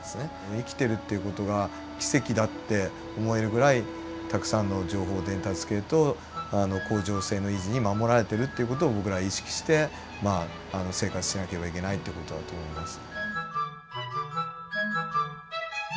生きているっていう事が奇跡だって思えるぐらいたくさんの情報伝達系と恒常性の維持に守られるっていう事を僕らは意識してまあ生活しなければいけないっていう事だと思います。